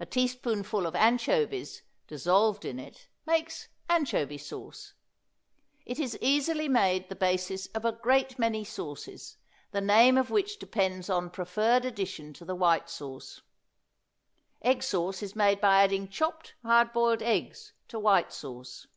A teaspoonful of anchovies dissolved in it makes anchovy sauce. It is easily made the basis of a great many sauces, the name of which depends on preferred addition to the white sauce. Egg sauce is made by adding chopped hard boiled eggs to white sauce.